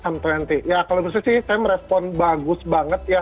m dua puluh ya kalau misalnya saya merespon bagus banget ya